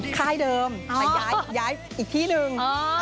ค่ายเดิมย้ายอีกที่นึง